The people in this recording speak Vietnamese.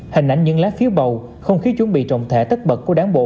hình ảnh những lá phiếu bầu không khí chuẩn bị trọng thể tất bật của đáng bầu